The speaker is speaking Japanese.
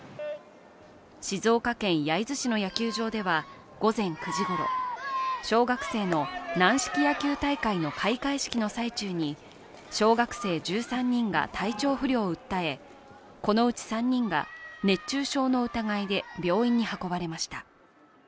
静岡県焼津市の野球場では午前９時ごろ、小学生の軟式野球大会の開会式の最中に小学生１３人が体調不良を訴えこのうち３人が熱中症の疑いで病院に運ばれました。